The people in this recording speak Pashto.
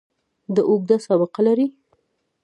دا اوږده سابقه لري.